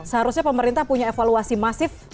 seharusnya pemerintah punya evaluasi masif